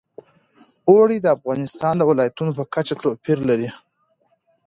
اوړي د افغانستان د ولایاتو په کچه توپیر لري.